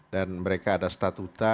dan mereka ada statuta